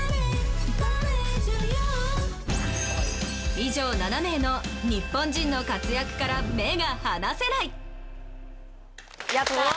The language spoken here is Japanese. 以上７名の日本人の活躍から目が離せない！